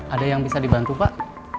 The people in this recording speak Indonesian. ada yang bisa dibantu pak